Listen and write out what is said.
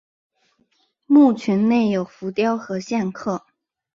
墓群内有浮雕和线刻。